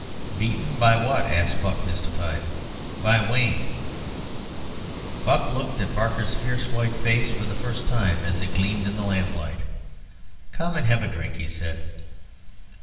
"Beaten by what?" asked Buck, mystified. "By Wayne." Buck looked at Barker's fierce white face for the first time, as it gleamed in the lamplight. "Come and have a drink," he said.